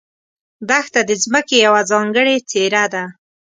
دښته د ځمکې یوه ځانګړې څېره ده.